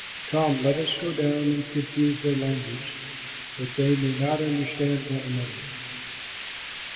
Come, let us go down and confuse their language, that they may not understand one another."